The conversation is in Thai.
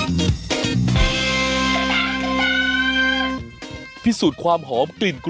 เราไปค่ะ